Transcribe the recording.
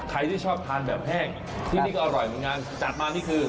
ใครที่ชอบทานแบบแห้งจัดมานี่คือ